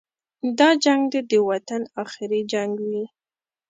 دا جنګ دې د وطن اخري جنګ وي.